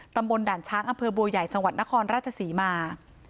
ตำบลด่านช้างอำเภอบัวใหญ่จังหวัดนครราชศรีมา